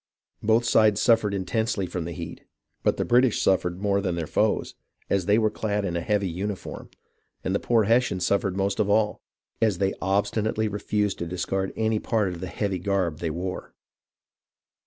Both sides suffered intensely from the heat, but the British suffered more than their foes, as they were clad in a heavy uniform ; and the poor Hessians suffered most of all, as they obstinately refused to discard any part of the heavy garb they wore.